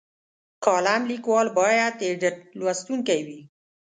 کالم لیکوال باید ابډیټ لوستونکی وي.